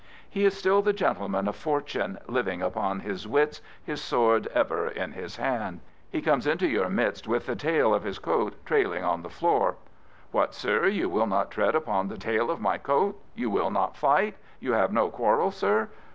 He is still the gentleman of fortune, living upon his wits, his sword ever in his hand. He comes into your midst with the tail of his coat trailing on the floor. What, sir, you will not tread upon the tail of my coat? You will not fight? You have no quarrel, sir?